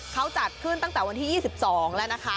เขาจัดขึ้นตั้งแต่วันที่๒๒แล้วนะคะ